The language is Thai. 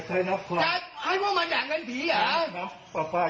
ไม่เก็บเท่าไหร่เก็บเหมือนเดินหรือเปล่า